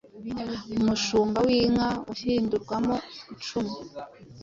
umushumba w'inka uhindurwamo icumu.